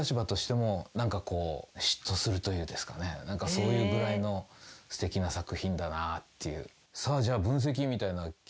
そういうぐらいのすてきな作品だなっていう。